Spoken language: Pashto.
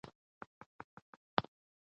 مور د ماشومانو د غسل وخت نه هېروي.